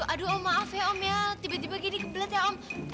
aduh om maaf ya om ya tiba tiba gini kebelet ya om